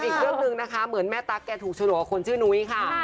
อีกเรื่องหนึ่งนะคะเหมือนแม่ตั๊กแกถูกฉลวกกับคนชื่อนุ้ยค่ะ